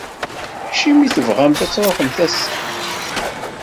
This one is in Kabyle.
Acimi i tebɣamt ad tṛuḥemt ass-a?